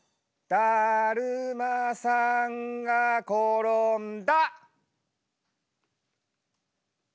だるまさんが転んだ！